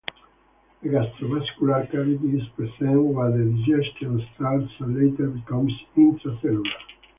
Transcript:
A gastrovascular cavity is present where the digestion starts and later becomes intracellular.